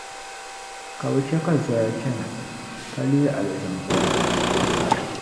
Ka bɛ chɛ ka zoya chana, ka leei aliziŋkom.